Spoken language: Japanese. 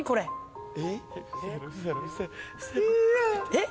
えっ？